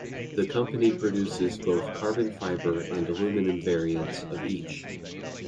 The company produces both carbon fiber and aluminum variants of each.